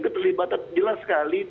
keterlibatan jelas sekali